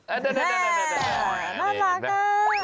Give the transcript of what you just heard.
โอ๊ยมันลากั๊